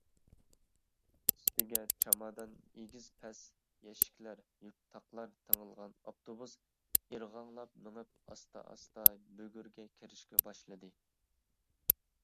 ئۈستىگە چامادان، ئېگىز -پەس يەشىكلەر، يۈك -تاقلار تېڭىلغان ئاپتوبۇس ئىرغاڭلاپ مېڭىپ ئاستا-ئاستا بۈگۈرگە كىرىشكە باشلىدى.